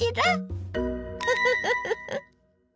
フフフフフ！